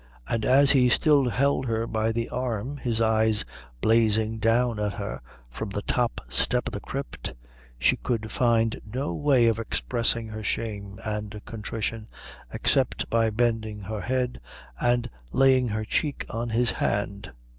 And as he still held her by the arm, his eyes blazing down at her from the top step of the crypt, she could find no way of expressing her shame and contrition except by bending her head and laying her cheek on his hand.